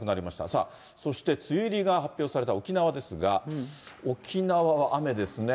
さあ、そして梅雨入りが発表された沖縄ですが、沖縄は雨ですね。